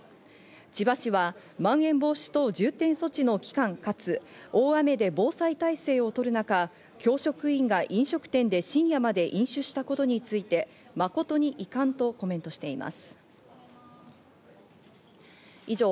千葉市は、まん延防止等重点措置の期間かつ大雨で防災体制をとる中、教職員が飲食店で深夜まで飲酒したことについて、誠に遺憾とコメントしています。